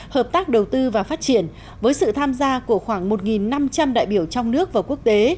hợp tác đầu tư và phát triển với sự tham gia của khoảng một năm trăm linh đại biểu trong nước và quốc tế